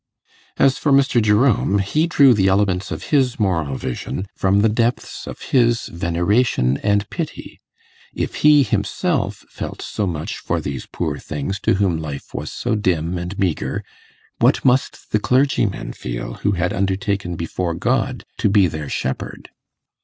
As for Mr. Jerome, he drew the elements of his moral vision from the depths of his veneration and pity. If he himself felt so much for these poor things to whom life was so dim and meagre, what must the clergyman feel who had undertaken before God to be their shepherd?